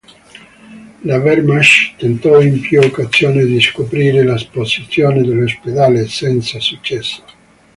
La Wehrmacht tentò in più occasioni di scoprire la posizione dell'ospedale, senza successo.